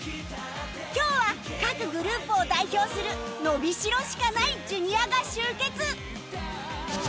今日は各グループを代表するのびしろしかない Ｊｒ． が集結！